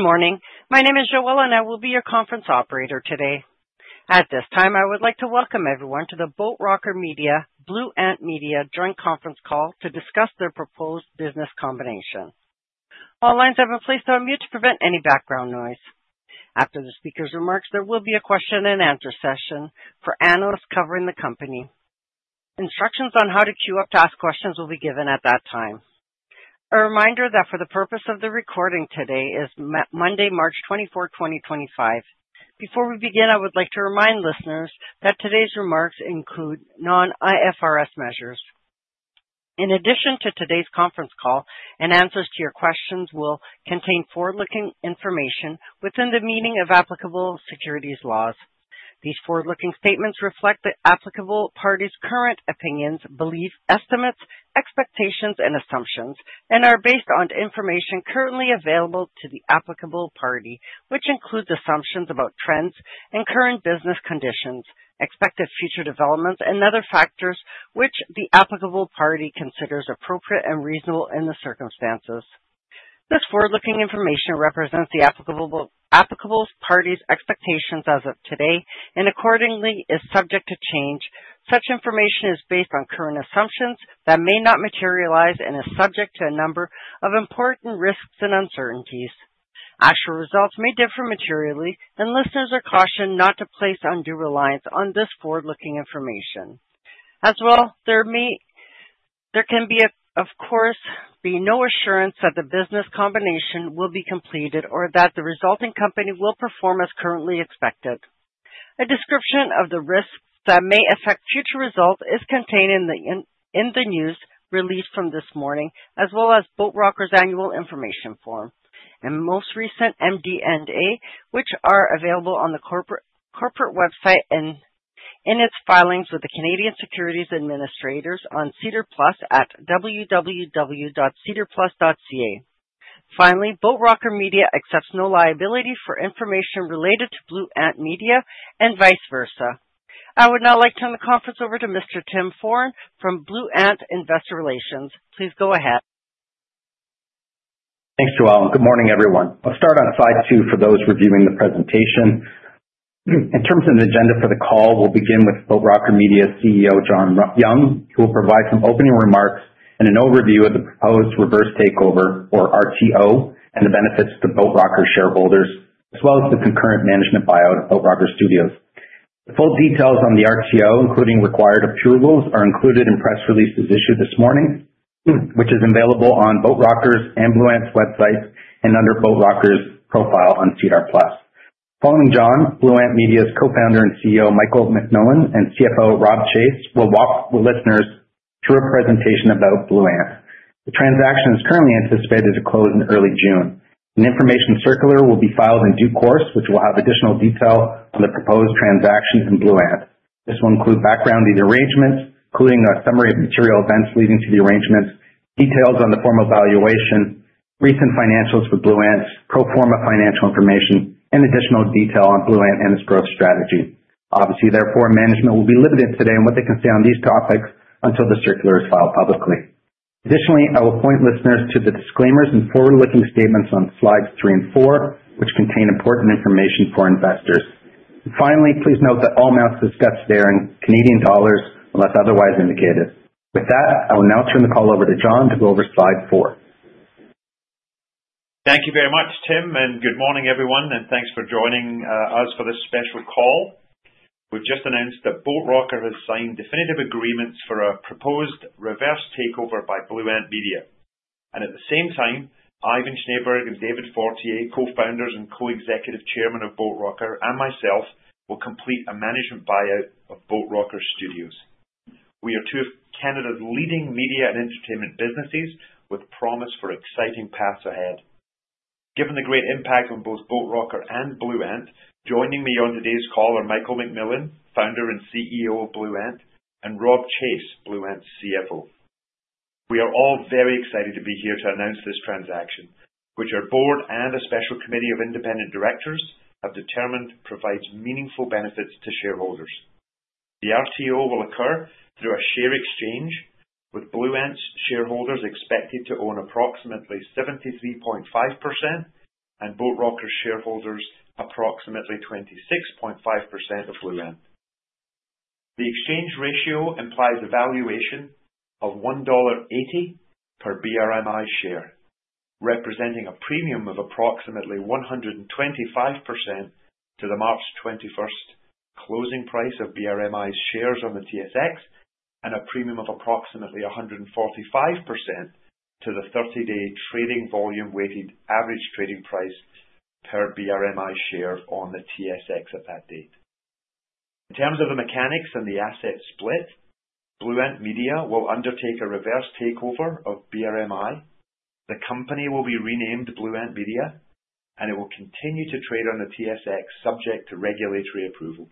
Good morning. My name is Joella, and I will be your conference operator today. At this time, I would like to welcome everyone to the Boat Rocker Media Blue Ant Media joint Conference Call to discuss their proposed business combination. All lines have been placed on mute to prevent any background noise. After the speaker's remarks, there will be a question-and-answer session for analysts covering the company. Instructions on how to queue up to ask questions will be given at that time. A reminder that, for the purpose of the recording, today is Monday, March 24th, 2025. Before we begin, I would like to remind listeners that today's remarks include non-IFRS measures. In addition to today's conference call and answers to your questions will contain forward-looking information within the meaning of applicable securities laws. These forward-looking statements reflect the applicable party's current opinions, beliefs, estimates, expectations, and assumptions, and are based on information currently available to the applicable party, which includes assumptions about trends and current business conditions, expected future developments, and other factors which the applicable party considers appropriate and reasonable in the circumstances. This forward-looking information represents the applicable party's expectations as of today and accordingly is subject to change. Such information is based on current assumptions that may not materialize and is subject to a number of important risks and uncertainties. Actual results may differ materially, and listeners are cautioned not to place undue reliance on this forward-looking information. As well, there can be, of course, no assurance that the business combination will be completed or that the resulting company will perform as currently expected. A description of the risks that may affect future results is contained in the news release from this morning, as well as Boat Rocker's annual information form and most recent MD&A, which are available on the corporate website and in its filings with the Canadian Securities Administrators on SEDAR+ at www.sedarplus.ca. Finally, Boat Rocker Media accepts no liability for information related to Blue Ant Media and vice versa. I would now like to turn the conference over to Mr. Tim Foran from Blue Ant Investor Relations. Please go ahead. Thanks, Joella. Good morning, everyone. I'll start on slide two for those reviewing the presentation. In terms of the agenda for the call, we'll begin with Boat Rocker Media CEO John Young, who will provide some opening remarks and an overview of the proposed reverse takeover, or RTO, and the benefits to Boat Rocker shareholders, as well as the concurrent management buyout of Boat Rocker Studios. The full details on the RTO, including required approvals, are included in press releases issued this morning, which is available on Boat Rocker's investor website and under Boat Rocker's profile on SEDAR+. Following John, Blue Ant Media's co-founder and CEO, Michael MacMillan, and CFO, Robb Chase, will walk listeners through a presentation about Blue Ant. The transaction is currently anticipated to close in early June. An information circular will be filed in due course, which will have additional detail on the proposed transaction in Blue Ant. This will include background of the arrangements, including a summary of material events leading to the arrangements, details on the form of valuation, recent financials for Blue Ant's, pro forma financial information, and additional detail on Blue Ant and its growth strategy. Obviously, therefore, management will be limited today in what they can say on these topics until the circular is filed publicly. Additionally, I will point listeners to the disclaimers and forward-looking statements on slides three and four, which contain important information for investors. Finally, please note that all amounts discussed there are in Canadian dollars unless otherwise indicated. With that, I will now turn the call over to John to go over Slide 4. Thank you very much, Tim, and good morning, everyone, and thanks for joining us for this special call. We've just announced that Boat Rocker has signed definitive agreements for a proposed reverse takeover by Blue Ant Media, and at the same time, Ivan Schneeberg and David Fortier, co-founders and Co-Executive Chairmen of Boat Rocker, and myself will complete a management buyout of Boat Rocker Studios. We are two of Canada's leading media and entertainment businesses with promise for exciting paths ahead. Given the great impact on both Boat Rocker and Blue Ant, joining me on today's call are Michael MacMillan, founder and CEO of Blue Ant, and Robb Chase, Blue Ant's CFO. We are all very excited to be here to announce this transaction, which our board and a special committee of independent directors have determined provides meaningful benefits to shareholders. The RTO will occur through a share exchange, with Blue Ant's shareholders expected to own approximately 73.5% and Boat Rocker's shareholders approximately 26.5% of Blue Ant. The exchange ratio implies a valuation of 1.80 dollar per BRMI share, representing a premium of approximately 125% to the March 21st closing price of BRMI's shares on the TSX and a premium of approximately 145% to the 30-day trading volume-weighted average trading price per BRMI share on the TSX at that date. In terms of the mechanics and the asset split, Blue Ant Media will undertake a reverse takeover of BRMI. The company will be renamed Blue Ant Media, and it will continue to trade on the TSX, subject to regulatory approval.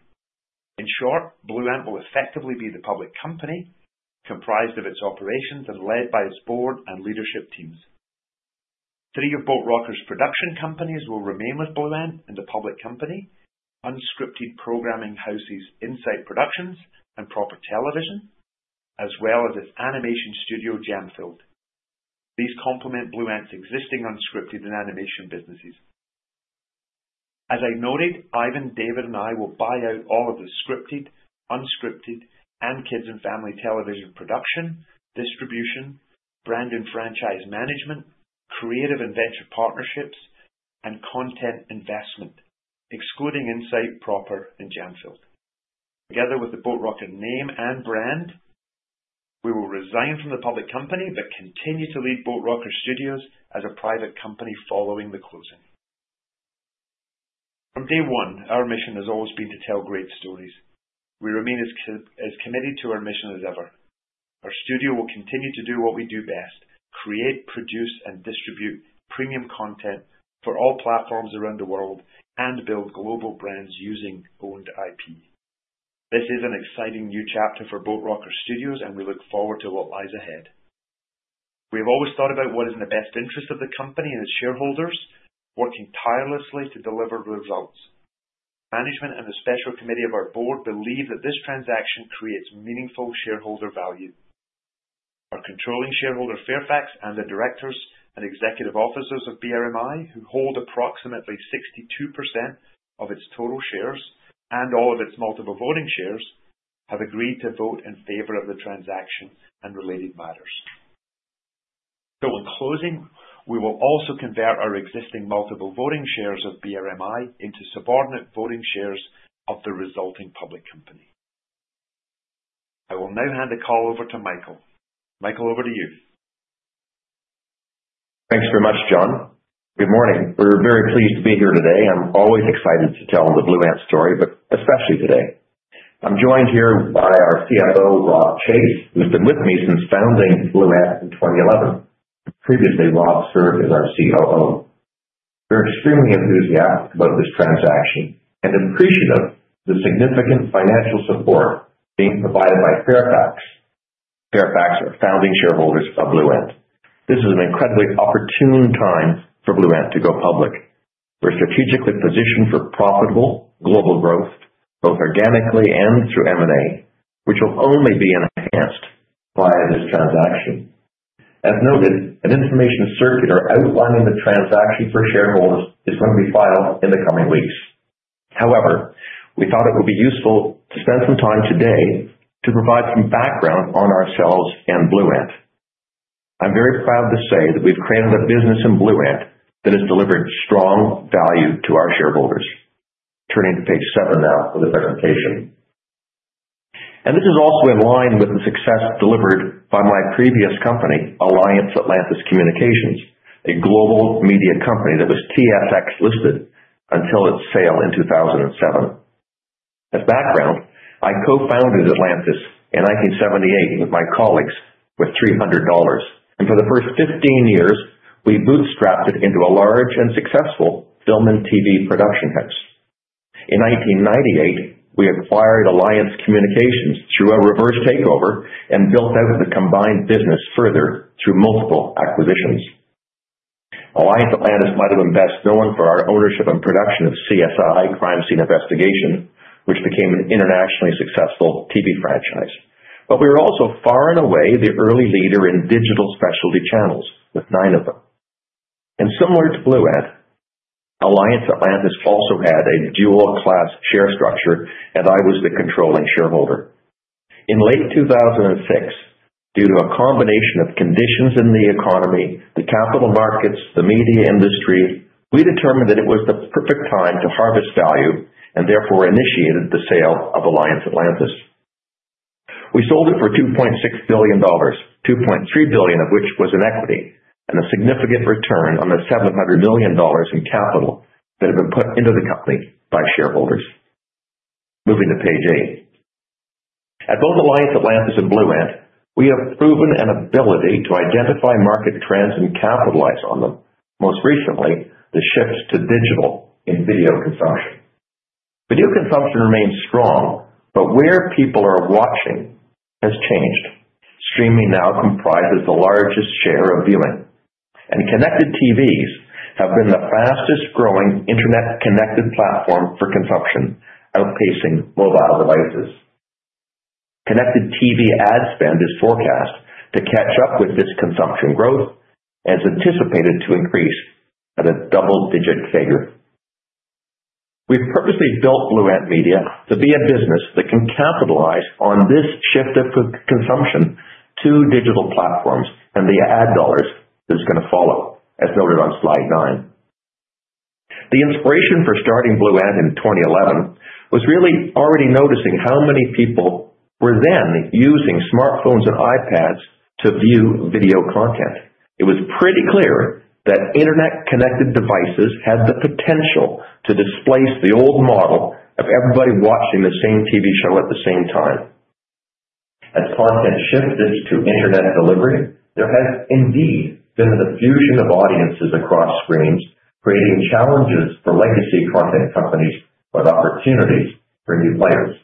In short, Blue Ant will effectively be the public company comprised of its operations and led by its board and leadership teams. Three of Boat Rocker's production companies will remain with Blue Ant and the public company, unscripted programming house's Insight Productions and Proper Television, as well as its animation studio, Jam Filled. These complement Blue Ant's existing unscripted and animation businesses. As I noted, Ivan, David, and I will buy out all of the scripted, unscripted, and kids and family television production, distribution, brand and franchise management, creative and venture partnerships, and content investment, excluding Insight, Proper, and Jam Filled. Together with the Boat Rocker name and brand, we will resign from the public company but continue to lead Boat Rocker Studios as a private company following the closing. From day one, our mission has always been to tell great stories. We remain as committed to our mission as ever. Our studio will continue to do what we do best: create, produce, and distribute premium content for all platforms around the world and build global brands using owned IP. This is an exciting new chapter for Boat Rocker Studios, and we look forward to what lies ahead. We have always thought about what is in the best interest of the company and its shareholders, working tirelessly to deliver results. Management and the special committee of our board believe that this transaction creates meaningful shareholder value. Our controlling shareholder, Fairfax, and the directors and executive officers of BRMI, who hold approximately 62% of its total shares and all of its multiple voting shares, have agreed to vote in favor of the transaction and related matters. So, in closing, we will also convert our existing multiple voting shares of BRMI into subordinate voting shares of the resulting public company. I will now hand the call over to Michael. Michael, over to you. Thanks very much, John. Good morning. We're very pleased to be here today. I'm always excited to tell the Blue Ant story, but especially today. I'm joined here by our CFO, Robb Chase, who's been with me since founding Blue Ant in 2011. Previously, Robb served as our COO. We're extremely enthusiastic about this transaction and appreciative of the significant financial support being provided by Fairfax. Fairfax are founding shareholders of Blue Ant. This is an incredibly opportune time for Blue Ant to go public. We're strategically positioned for profitable global growth, both organically and through M&A, which will only be enhanced by this transaction. As noted, an information circular outlining the transaction for shareholders is going to be filed in the coming weeks. However, we thought it would be useful to spend some time today to provide some background on ourselves and Blue Ant. I'm very proud to say that we've created a business in Blue Ant that has delivered strong value to our shareholders. Turning to page 7 now for the presentation. This is also in line with the success delivered by my previous company, Alliance Atlantis Communications, a global media company that was TSX-listed until its sale in 2007. As background, I co-founded Atlantis in 1978 with my colleagues with $300, and for the first 15 years, we bootstrapped it into a large and successful film and TV production house. In 1998, we acquired Alliance Communications through a reverse takeover and built out the combined business further through multiple acquisitions. Alliance Atlantis might have been best known for our ownership and production of CSI: Crime Scene Investigation, which became an internationally successful TV franchise. But we were also far and away the early leader in digital specialty channels, with nine of them. And similar to Blue Ant, Alliance Atlantis also had a dual-class share structure, and I was the controlling shareholder. In late 2006, due to a combination of conditions in the economy, the capital markets, and the media industry, we determined that it was the perfect time to harvest value and therefore initiated the sale of Alliance Atlantis. We sold it for 2.6 billion dollars, 2.3 billion of which was in equity, and a significant return on the 700 million dollars in capital that had been put into the company by shareholders. Moving to page 8. At both Alliance Atlantis and Blue Ant, we have proven an ability to identify market trends and capitalize on them. Most recently, the shift to digital in video consumption. Video consumption remains strong, but where people are watching has changed. Streaming now comprises the largest share of viewing, and connected TVs have been the fastest-growing internet-connected platform for consumption, outpacing mobile devices. Connected TV ad spend is forecast to catch up with this consumption growth and is anticipated to increase at a double-digit figure. We've purposely built Blue Ant Media to be a business that can capitalize on this shift of consumption to digital platforms and the ad dollars that's going to follow, as noted on slide 9. The inspiration for starting Blue Ant in 2011 was really already noticing how many people were then using smartphones and iPads to view video content. It was pretty clear that internet-connected devices had the potential to displace the old model of everybody watching the same TV show at the same time. As content shifted to internet delivery, there has indeed been a diffusion of audiences across screens, creating challenges for legacy content companies but opportunities for new players.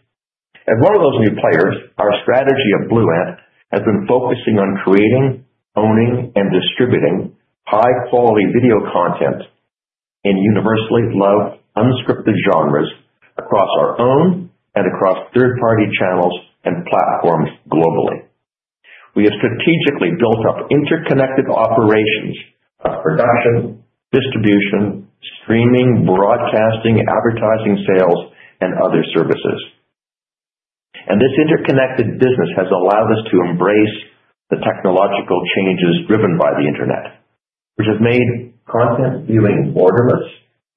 And one of those new players, our strategy at Blue Ant has been focusing on creating, owning, and distributing high-quality video content in universally loved unscripted genres across our own and across third-party channels and platforms globally. We have strategically built up interconnected operations of production, distribution, streaming, broadcasting, advertising sales, and other services. And this interconnected business has allowed us to embrace the technological changes driven by the internet, which have made content viewing borderless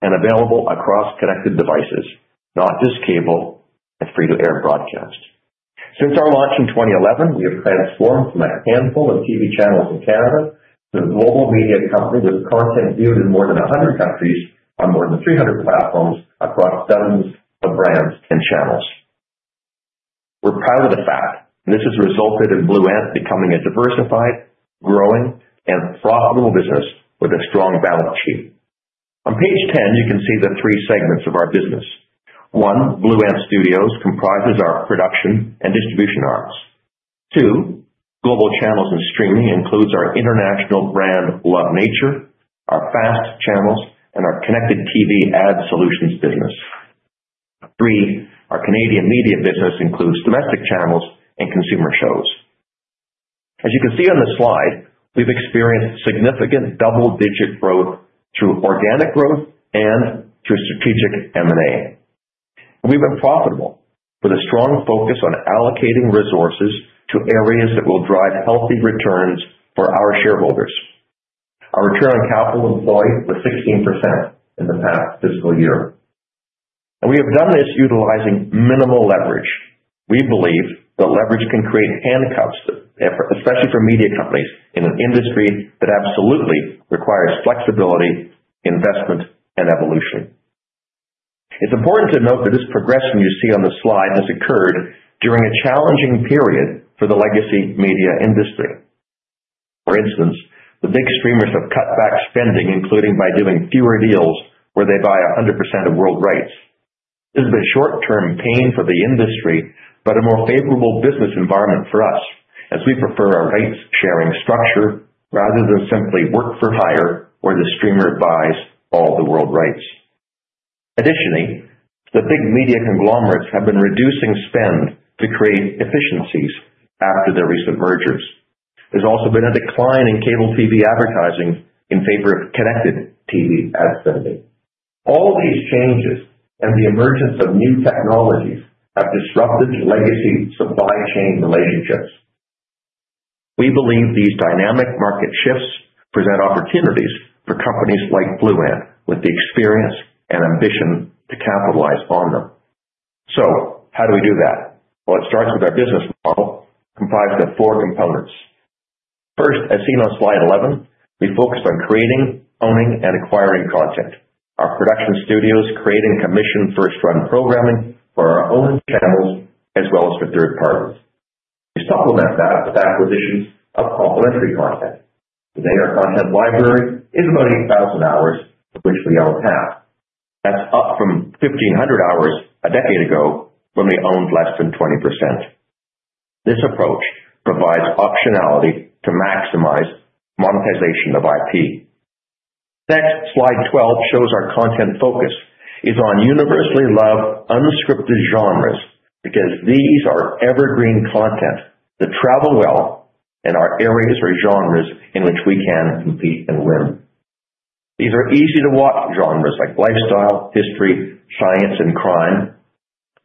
and available across connected devices, not just cable and free-to-air broadcast. Since our launch in 2011, we have transformed from a handful of TV channels in Canada to a global media company with content viewed in more than 100 countries on more than 300 platforms across dozens of brands and channels. We're proud of the fact, and this has resulted in Blue Ant becoming a diversified, growing, and profitable business with a strong balance sheet. On page 10, you can see the three segments of our business. One, Blue Ant Studios, comprises our production and distribution arms. Two, global channels and streaming includes our international brand Love Nature, our fast channels, and our connected TV ad solutions business. Three, our Canadian media business includes domestic channels and consumer shows. As you can see on the slide, we've experienced significant double-digit growth through organic growth and through strategic M&A. We've been profitable. For the strong focus on allocating resources to areas that will drive healthy returns for our shareholders. Our return on capital employed was 16% in the past fiscal year. We have done this utilizing minimal leverage. We believe that leverage can create handcuffs, especially for media companies in an industry that absolutely requires flexibility, investment, and evolution. It's important to note that this progression you see on the slide has occurred during a challenging period for the legacy media industry. For instance, the big streamers have cut back spending, including by doing fewer deals where they buy 100% of world rights. This has been short-term pain for the industry but a more favorable business environment for us, as we prefer a rights-sharing structure rather than simply work-for-hire where the streamer buys all the world rights. Additionally, the big media conglomerates have been reducing spend to create efficiencies after their recent mergers. There's also been a decline in cable TV advertising in favor of connected TV ad spending. All these changes and the emergence of new technologies have disrupted legacy supply chain relationships. We believe these dynamic market shifts present opportunities for companies like Blue Ant with the experience and ambition to capitalize on them. So, how do we do that? Well, it starts with our business model, comprised of four components. First, as seen on slide 11, we focused on creating, owning, and acquiring content. Our production studios create and commission first-run programming for our own channels as well as for third parties. We supplement that with acquisitions of complementary content. Today, our content library is about 8,000 hours, of which we own half. That's up from 1,500 hours a decade ago when we owned less than 20%. This approach provides optionality to maximize monetization of IP. Next, slide 12 shows our content focus is on universally loved unscripted genres because these are evergreen content that travel well in our areas or genres in which we can compete and win. These are easy-to-watch genres like lifestyle, history, science, and crime,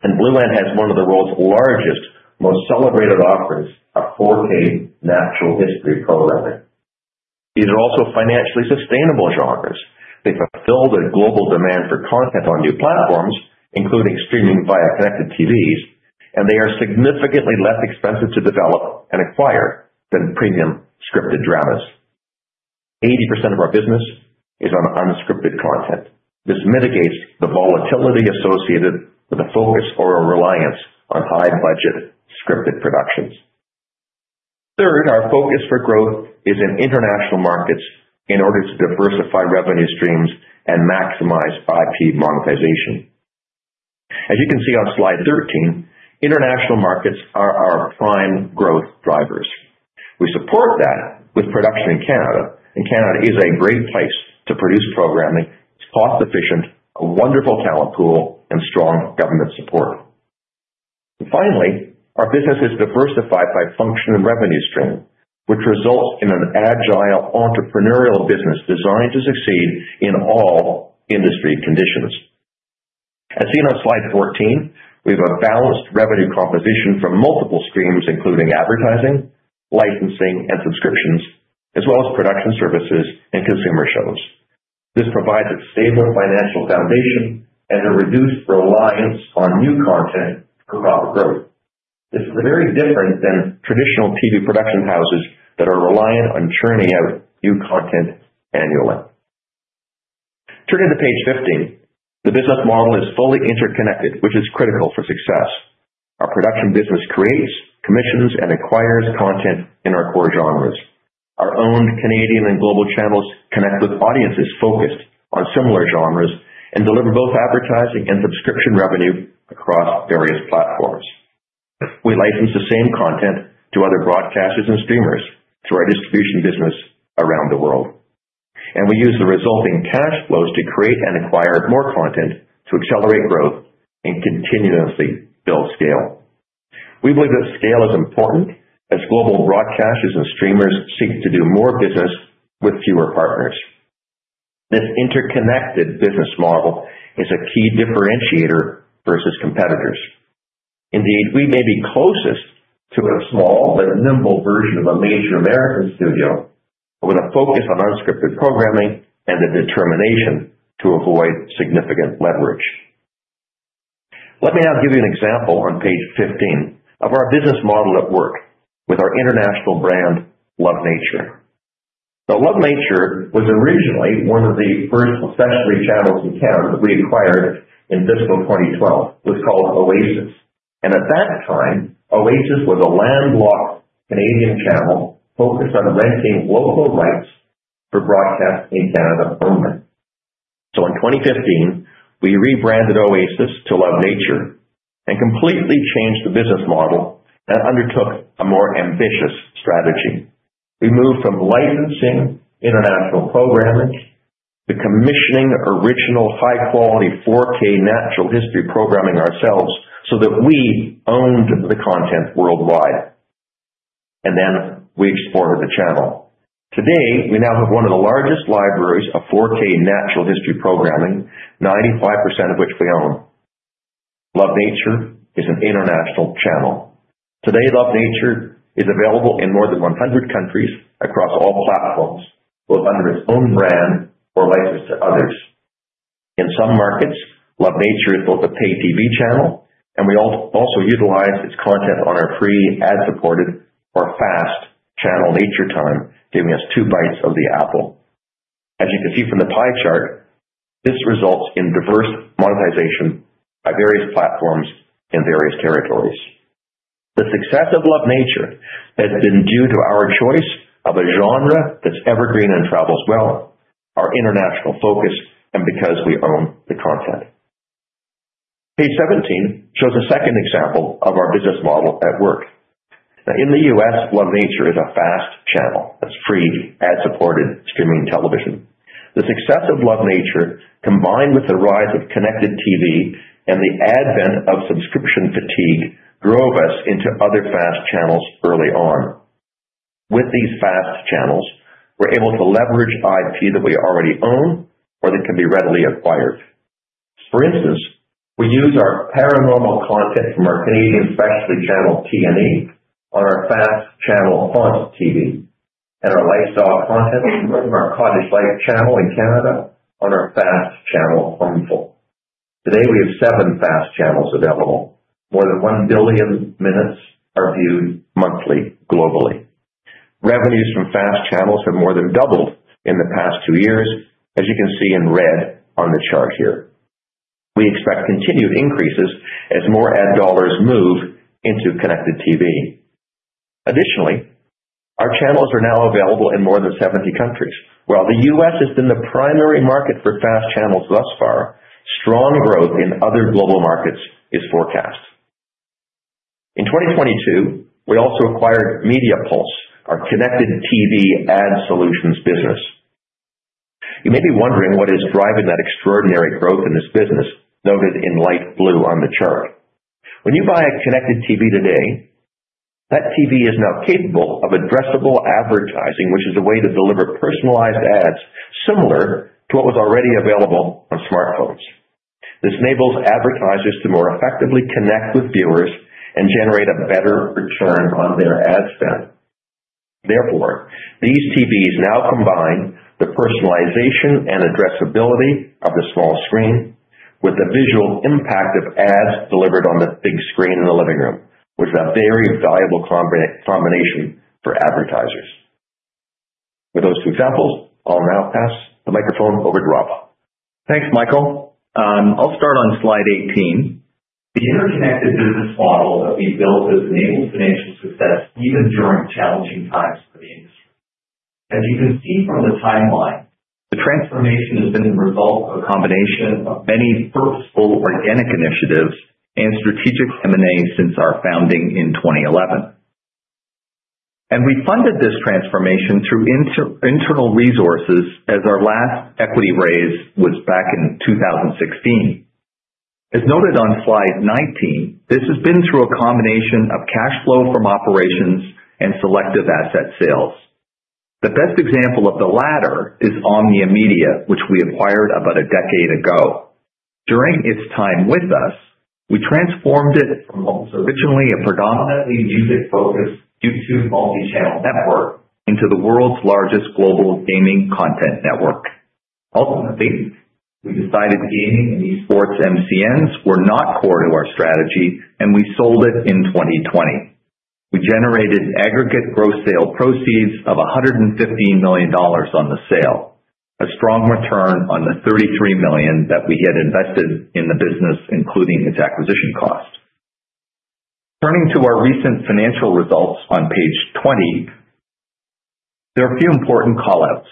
and Blue Ant has one of the world's largest, most celebrated offerings, our 4K natural history programming. These are also financially sustainable genres. They fulfill the global demand for content on new platforms, including streaming via connected TVs, and they are significantly less expensive to develop and acquire than premium scripted dramas. 80% of our business is on unscripted content. This mitigates the volatility associated with a focus or a reliance on high-budget scripted productions. Third, our focus for growth is in international markets in order to diversify revenue streams and maximize IP monetization. As you can see on slide 13, international markets are our prime growth drivers. We support that with production in Canada, and Canada is a great place to produce programming. It's cost-efficient, a wonderful talent pool, and strong government support. Finally, our business is diversified by function and revenue stream, which results in an agile entrepreneurial business designed to succeed in all industry conditions. As seen on slide 14, we have a balanced revenue composition from multiple streams, including advertising, licensing, and subscriptions, as well as production services and consumer shows. This provides a stable financial foundation and a reduced reliance on new content for proper growth. This is very different than traditional TV production houses that are reliant on churning out new content annually. Turning to page 15, the business model is fully interconnected, which is critical for success. Our production business creates, commissions, and acquires content in our core genres. Our own Canadian and global channels connect with audiences focused on similar genres and deliver both advertising and subscription revenue across various platforms. We license the same content to other broadcasters and streamers through our distribution business around the world, and we use the resulting cash flows to create and acquire more content to accelerate growth and continuously build scale. We believe that scale is important as global broadcasters and streamers seek to do more business with fewer partners. This interconnected business model is a key differentiator versus competitors. Indeed, we may be closest to a small but nimble version of a major American studio with a focus on unscripted programming and the determination to avoid significant leverage. Let me now give you an example on page 15 of our business model at work with our international brand, Love Nature. Now, Love Nature was originally one of the first specialty channels in Canada that we acquired in fiscal 2012. It was called Oasis, and at that time, Oasis was a landlocked Canadian channel focused on renting local rights for broadcast in Canada only, so in 2015, we rebranded Oasis to Love Nature and completely changed the business model and undertook a more ambitious strategy. We moved from licensing international programming to commissioning original high-quality 4K natural history programming ourselves so that we owned the content worldwide, and then we exported the channel. Today, we now have one of the largest libraries of 4K natural history programming, 95% of which we own. Love Nature is an international channel. Today, Love Nature is available in more than 100 countries across all platforms, both under its own brand or licensed to others. In some markets, Love Nature is both a pay-TV channel, and we also utilize its content on our free ad-supported or FAST channel NatureTime, giving us two bites of the apple. As you can see from the pie chart, this results in diverse monetization by various platforms in various territories. The success of Love Nature has been due to our choice of a genre that's evergreen and travels well, our international focus, and because we own the content. Page 17 shows a second example of our business model at work. In the U.S., Love Nature is a FAST channel that's free ad-supported streaming television. The success of Love Nature, combined with the rise of connected TV and the advent of subscription fatigue, drove us into other FAST channels early on. With these FAST channels, we're able to leverage IP that we already own or that can be readily acquired. For instance, we use our paranormal content from our Canadian specialty channel T+E on our FAST channel HauntTV and our lifestyle content from our Cottage Life channel in Canada on our FAST channel Homeful. Today, we have seven FAST channels available. More than 1 billion minutes are viewed monthly globally. Revenues from FAST channels have more than doubled in the past two years, as you can see in red on the chart here. We expect continued increases as more ad dollars move into connected TV. Additionally, our channels are now available in more than 70 countries. While the U.S. has been the primary market for FAST channels thus far, strong growth in other global markets is forecast. In 2022, we also acquired Media Pulse, our connected TV ad solutions business. You may be wondering what is driving that extraordinary growth in this business noted in light blue on the chart. When you buy a connected TV today, that TV is now capable of addressable advertising, which is a way to deliver personalized ads similar to what was already available on smartphones. This enables advertisers to more effectively connect with viewers and generate a better return on their ad spend. Therefore, these TVs now combine the personalization and addressability of the small screen with the visual impact of ads delivered on the big screen in the living room, which is a very valuable combination for advertisers. With those two examples, I'll now pass the microphone over to Robb. Thanks, Michael. I'll start on slide 18. The interconnected business model that we built has enabled financial success even during challenging times for the industry. As you can see from the timeline, the transformation has been the result of a combination of many purposeful organic initiatives and strategic M&As since our founding in 2011. And we funded this transformation through internal resources as our last equity raise was back in 2016. As noted on slide 19, this has been through a combination of cash flow from operations and selective asset sales. The best example of the latter is Omnia Media, which we acquired about a decade ago. During its time with us, we transformed it from what was originally a predominantly music-focused YouTube multi-channel network into the world's largest global gaming content network. Ultimately, we decided gaming and esports MCNs were not core to our strategy, and we sold it in 2020. We generated aggregate gross sale proceeds of 115 million dollars on the sale, a strong return on the 33 million that we had invested in the business, including its acquisition cost. Turning to our recent financial results on page 20, there are a few important callouts.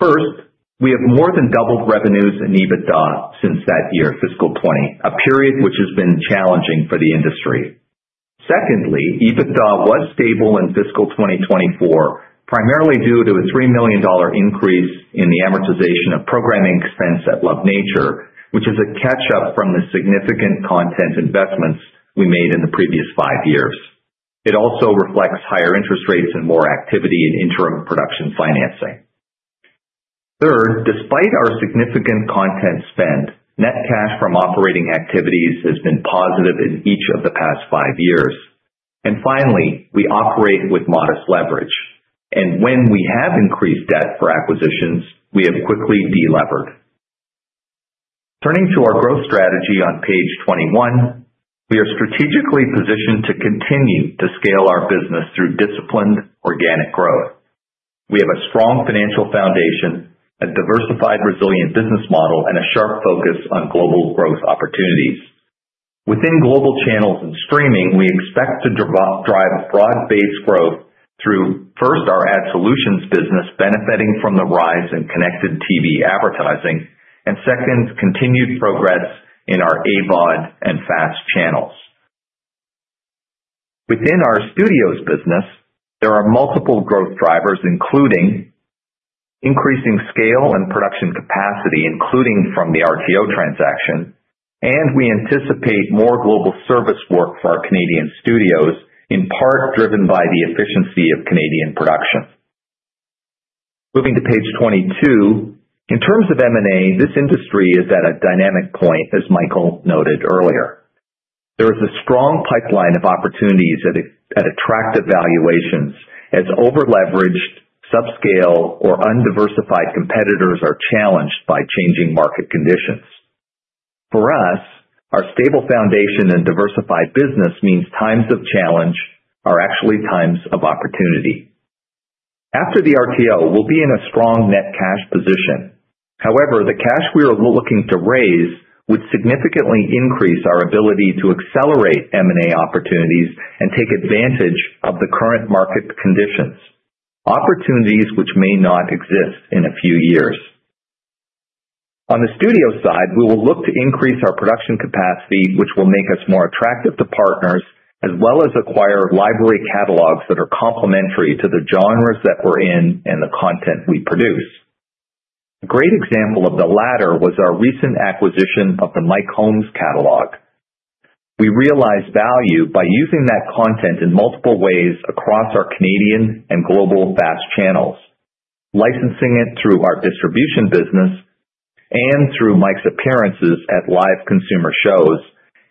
First, we have more than doubled revenues in EBITDA since that year, fiscal 2020, a period which has been challenging for the industry. Secondly, EBITDA was stable in fiscal 2024, primarily due to a 3 million dollar increase in the amortization of programming expenses at Love Nature, which is a catch-up from the significant content investments we made in the previous five years. It also reflects higher interest rates and more activity in interim production financing. Third, despite our significant content spend, net cash from operating activities has been positive in each of the past five years. And finally, we operate with modest leverage. And when we have increased debt for acquisitions, we have quickly delevered. Turning to our growth strategy on page 21, we are strategically positioned to continue to scale our business through disciplined organic growth. We have a strong financial foundation, a diversified, resilient business model, and a sharp focus on global growth opportunities. Within global channels and streaming, we expect to drive broad-based growth through, first, our ad solutions business benefiting from the rise in Connected TV advertising, and second, continued progress in our AVOD and FAST channels. Within our studios business, there are multiple growth drivers, including increasing scale and production capacity, including from the RTO transaction, and we anticipate more global service work for our Canadian studios, in part driven by the efficiency of Canadian production. Moving to page 22, in terms of M&A, this industry is at a dynamic point, as Michael noted earlier. There is a strong pipeline of opportunities at attractive valuations as over-leveraged, subscale, or undiversified competitors are challenged by changing market conditions. For us, our stable foundation and diversified business means times of challenge are actually times of opportunity. After the RTO, we'll be in a strong net cash position. However, the cash we are looking to raise would significantly increase our ability to accelerate M&A opportunities and take advantage of the current market conditions, opportunities which may not exist in a few years. On the studio side, we will look to increase our production capacity, which will make us more attractive to partners, as well as acquire library catalogs that are complementary to the genres that we're in and the content we produce. A great example of the latter was our recent acquisition of the Mike Holmes catalog. We realized value by using that content in multiple ways across our Canadian and global FAST channels, licensing it through our distribution business and through Mike's appearances at live consumer shows.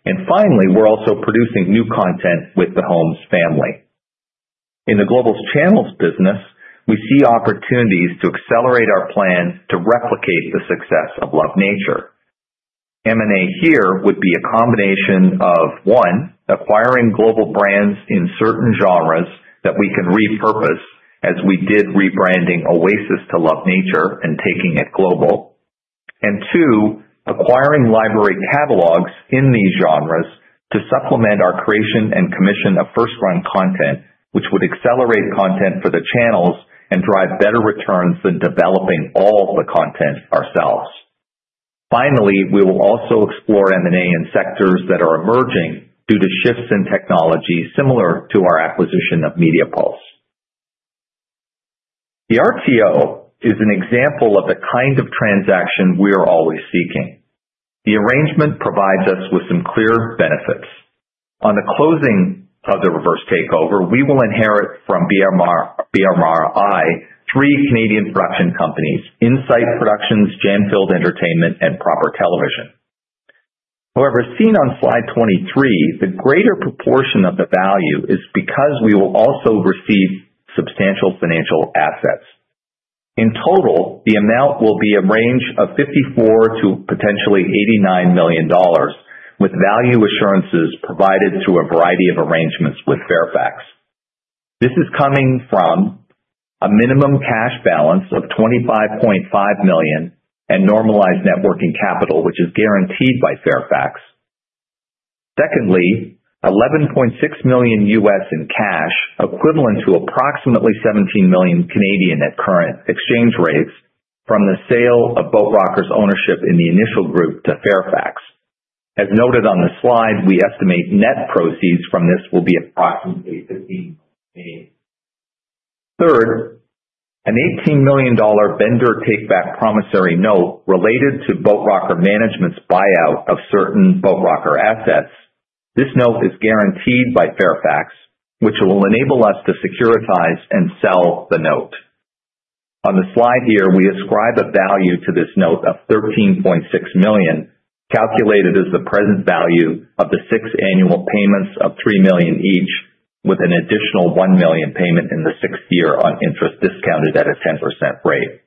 And finally, we're also producing new content with the Holmes family. In the global channels business, we see opportunities to accelerate our plan to replicate the success of Love Nature. M&A here would be a combination of, one, acquiring global brands in certain genres that we can repurpose, as we did rebranding Oasis to Love Nature and taking it global, and two, acquiring library catalogs in these genres to supplement our creation and commission of first-run content, which would accelerate content for the channels and drive better returns than developing all the content ourselves. Finally, we will also explore M&A in sectors that are emerging due to shifts in technology similar to our acquisition of Media Pulse. The RTO is an example of the kind of transaction we are always seeking. The arrangement provides us with some clear benefits. On the closing of the reverse takeover, we will inherit from BRMI three Canadian production companies: Insight Productions, Jam Filled Entertainment, and Proper Television. However, seen on slide 23, the greater proportion of the value is because we will also receive substantial financial assets. In total, the amount will be a range of 54 million to potentially 89 million dollars, with value assurances provided through a variety of arrangements with Fairfax. This is coming from a minimum cash balance of 25.5 million and normalized net working capital, which is guaranteed by Fairfax. Secondly, $11.6 million US in cash, equivalent to approximately 17 million at current exchange rates, from the sale of Boat Rocker's ownership in the initial group to Fairfax. As noted on the slide, we estimate net proceeds from this will be approximately 15 million. Third, an 18 million dollar vendor takeback promissory note related to Boat Rocker management's buyout of certain Boat Rocker assets. This note is guaranteed by Fairfax, which will enable us to securitize and sell the note. On the slide here, we ascribe a value to this note of $13.6 million, calculated as the present value of the six annual payments of $3 million each, with an additional $1 million payment in the sixth year on interest discounted at a 10% rate.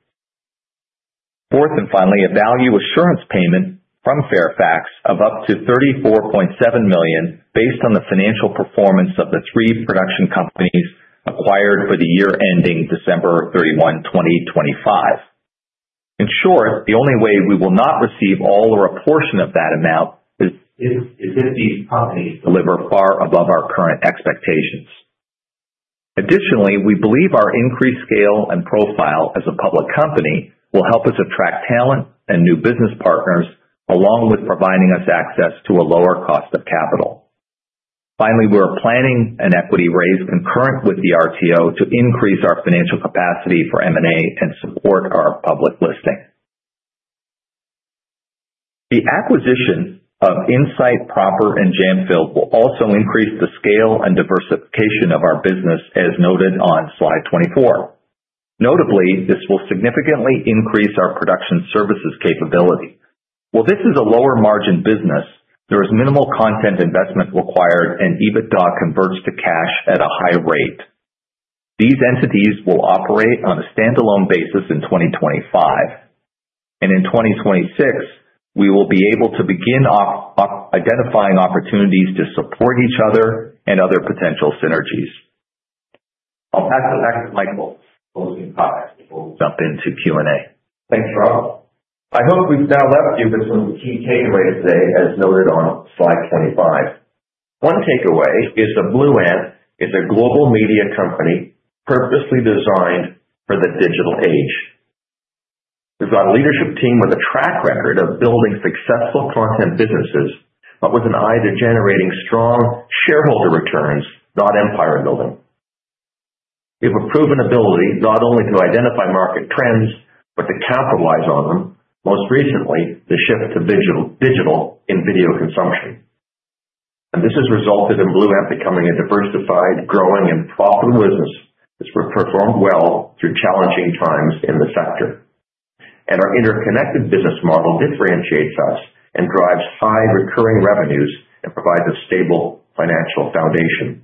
Fourth and finally, a value assurance payment from Fairfax of up to $34.7 million based on the financial performance of the three production companies acquired for the year ending December 31st, 2025. In short, the only way we will not receive all or a portion of that amount is if these companies deliver far above our current expectations. Additionally, we believe our increased scale and profile as a public company will help us attract talent and new business partners, along with providing us access to a lower cost of capital. Finally, we're planning an equity raise concurrent with the RTO to increase our financial capacity for M&A and support our public listing. The acquisition of Insight, Proper, and Jam Filled will also increase the scale and diversification of our business, as noted on slide 24. Notably, this will significantly increase our production services capability. While this is a lower-margin business, there is minimal content investment required, and EBITDA converts to cash at a high rate. These entities will operate on a standalone basis in 2025, and in 2026, we will be able to begin identifying opportunities to support each other and other potential synergies. I'll pass it back to Michael's closing comments before we jump into Q&A. Thanks, Rob. I hope we've now left you with some key takeaways today, as noted on slide 25. One takeaway is that Blue Ant is a global media company purposely designed for the digital age. We've got a leadership team with a track record of building successful content businesses, but with an eye to generating strong shareholder returns, not empire building. We have a proven ability not only to identify market trends, but to capitalize on them, most recently the shift to digital in video consumption. This has resulted in Blue Ant becoming a diversified, growing, and profitable business that's performed well through challenging times in the sector. Our interconnected business model differentiates us and drives high recurring revenues and provides a stable financial foundation.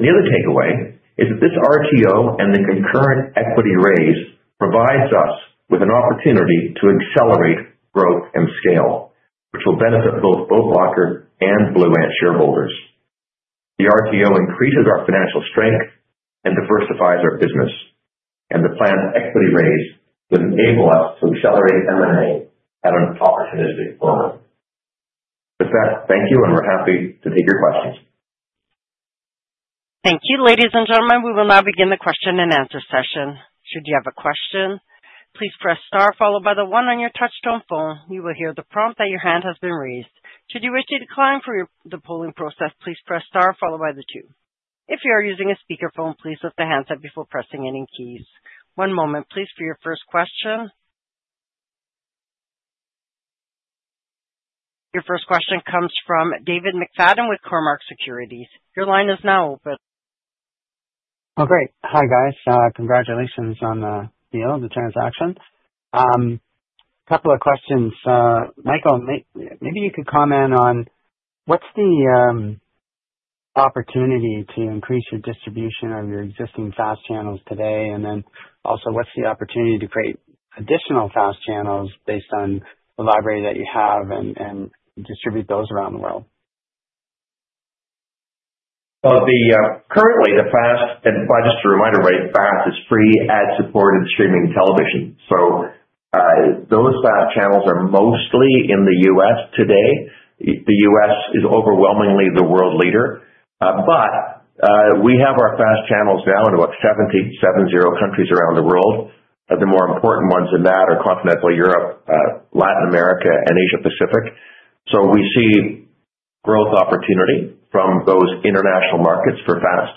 The other takeaway is that this RTO and the concurrent equity raise provides us with an opportunity to accelerate growth and scale, which will benefit both Boat Rocker and Blue Ant shareholders. The RTO increases our financial strength and diversifies our business. The planned equity raise will enable us to accelerate M&A at an opportunistic moment. With that, thank you, and we're happy to take your questions. Thank you, ladies and gentlemen. We will now begin the question and answer session. Should you have a question, please press star followed by the one on your touch-tone phone. You will hear the prompt that your hand has been raised. Should you wish to decline the polling process, please press star followed by the two. If you are using a speakerphone, please lift the handset up before pressing any keys. One moment, please, for your first question. Your first question comes from David McFadgen with Cormark Securities. Your line is now open. Oh, great. Hi, guys. Congratulations on the deal, the transaction. A couple of questions. Michael, maybe you could comment on what's the opportunity to increase your distribution of your existing FAST channels today, and then also what's the opportunity to create additional FAST channels based on the library that you have and distribute those around the world? Well, currently, the FAST, and just a reminder, right? FAST is free, ad-supported streaming television. So those FAST channels are mostly in the U.S. today. The U.S. is overwhelmingly the world leader. But we have our FAST channels now in about 70 countries around the world. The more important ones in that are continental Europe, Latin America, and Asia-Pacific. So we see growth opportunity from those international markets for FAST.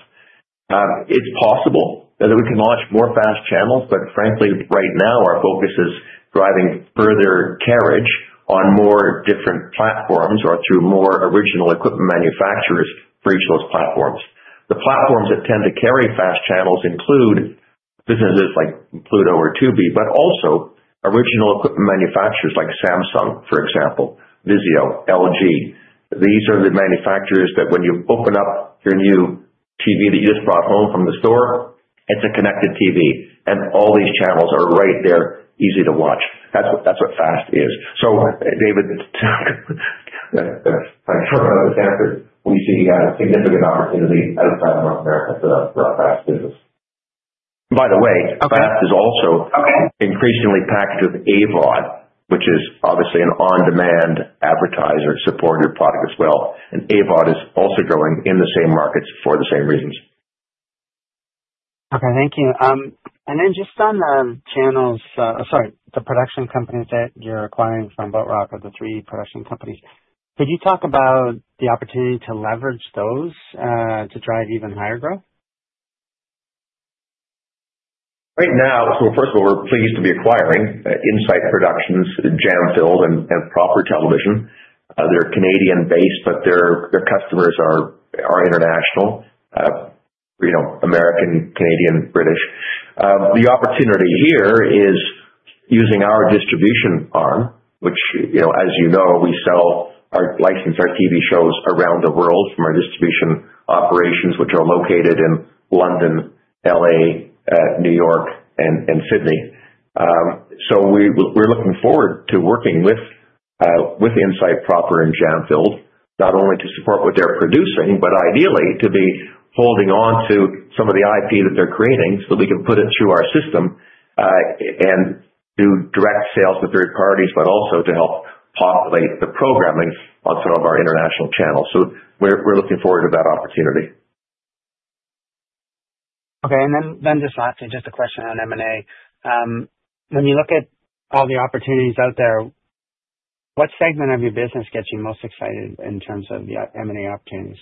It's possible that we can launch more FAST channels, but frankly, right now, our focus is driving further carriage on more different platforms or through more original equipment manufacturers for each of those platforms. The platforms that tend to carry FAST channels include businesses like Pluto or Tubi, but also original equipment manufacturers like Samsung, for example, Vizio, LG. These are the manufacturers that when you open up your new TV that you just brought home from the store, it's a Connected TV, and all these channels are right there, easy to watch. That's what FAST is, so David, thanks for the answers. We see a significant opportunity outside of North America for our FAST business. By the way, FAST is also increasingly packaged with AVOD, which is obviously an on-demand advertiser-supported product as well, and AVOD is also growing in the same markets for the same reasons. Okay. Thank you, and then just on the channels, sorry, the production companies that you're acquiring from Boat Rocker, the three production companies, could you talk about the opportunity to leverage those to drive even higher growth? Right now, so first of all, we're pleased to be acquiring Insight Productions, Jam Filled, and Proper Television. They're Canadian-based, but their customers are international: American, Canadian, British. The opportunity here is using our distribution arm, which, as you know, we sell our licensed TV shows around the world from our distribution operations, which are located in London, LA, New York, and Sydney. So we're looking forward to working with Insight, Proper, and Jam Filled, not only to support what they're producing, but ideally to be holding on to some of the IP that they're creating so that we can put it through our system and do direct sales with third parties, but also to help populate the programming on some of our international channels. So we're looking forward to that opportunity. Okay. And then just lastly, just a question on M&A. When you look at all the opportunities out there, what segment of your business gets you most excited in terms of the M&A opportunities?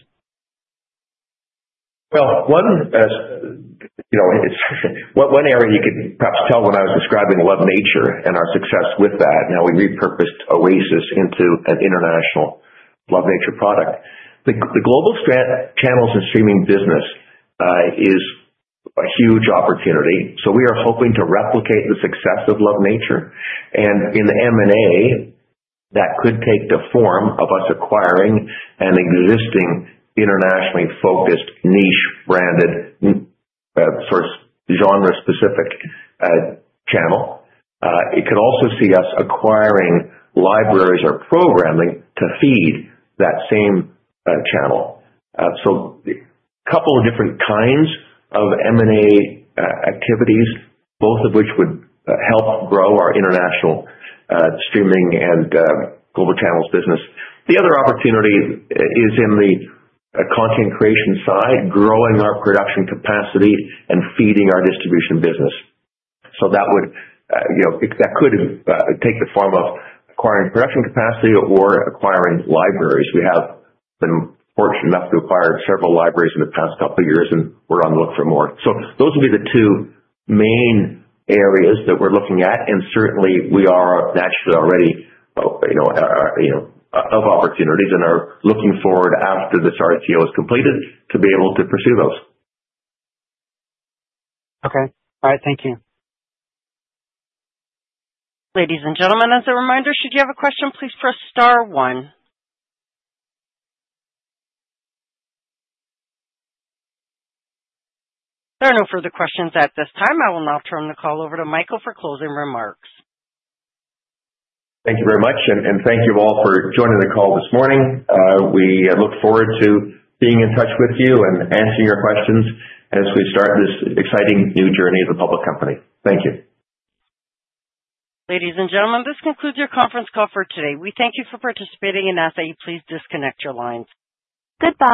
Well, one area you could perhaps tell when I was describing Love Nature and our success with that, how we repurposed Oasis into an international Love Nature product. The global channels and streaming business is a huge opportunity. So we are hoping to replicate the success of Love Nature. And in the M&A, that could take the form of us acquiring an existing internationally focused niche-branded sort of genre-specific channel. It could also see us acquiring libraries or programming to feed that same channel. So a couple of different kinds of M&A activities, both of which would help grow our international streaming and global channels business. The other opportunity is in the content creation side, growing our production capacity and feeding our distribution business. So that could take the form of acquiring production capacity or acquiring libraries. We have been fortunate enough to acquire several libraries in the past couple of years, and we're on the lookout for more. So those would be the two main areas that we're looking at. And certainly, we are naturally already aware of opportunities and are looking forward after this RTO is completed to be able to pursue those. Okay. All right. Thank you. Ladies and gentlemen, as a reminder, should you have a question, please press star one. There are no further questions at this time. I will now turn the call over to Michael for closing remarks. Thank you very much. And thank you all for joining the call this morning. We look forward to being in touch with you and answering your questions as we start this exciting new journey as a public company. Thank you. Ladies and gentlemen, this concludes your conference call for today. We thank you for participating, and ask that you please disconnect your lines. Goodbye.